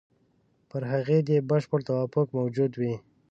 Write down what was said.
پر هغې دې بشپړ توافق موجود وي.